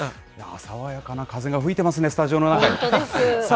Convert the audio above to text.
爽やかな風が吹いてますね、スタジオの中に。